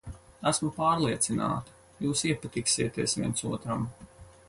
Esmu pārliecināta, jūs iepatiksieties viens otram.